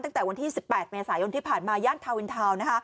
ตั้งแต่วันที่๑๘เมษายนที่ผ่านมาย่านทาวินทาวน์นะคะ